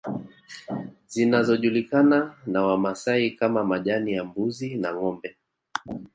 Zinazojulikana na Wamasai kama majani ya mbuzi na ngombe